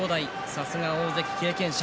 さすが大関経験者。